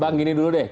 bang gini dulu deh